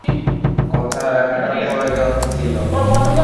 কথা রাখাটা প্রয়োজন ছিল।